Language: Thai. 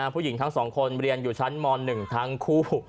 ผู้หญิงทั้ง๒คนเรียนอยู่ชั้นม๑ทั้งคู่